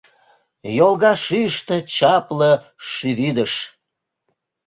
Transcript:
Йолга шӱйыштӧ чапле шӱвидыш.